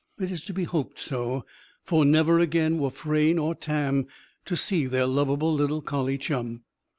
It is to be hoped so. For never again were Frayne or Tam to see their lovable little collie chum.